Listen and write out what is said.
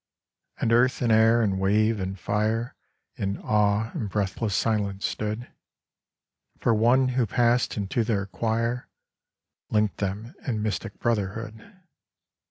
And earth and air and wave and fire 1 n awe and breathless silence stood ; For One who passed into their choir Linked them in mystic brotherhood.